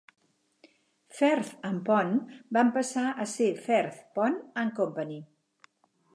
Firth and Pond van passar a ser Firth, Pond and Company.